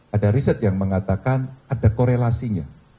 ada riset yang mengatakan ada korelasinya